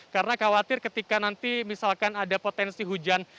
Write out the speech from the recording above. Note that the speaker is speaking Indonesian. karena khawatir ketika nanti misalkan ada potensi hujan